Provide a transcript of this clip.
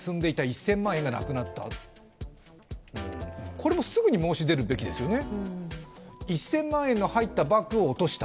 これもすぐに申し出るべきですよね。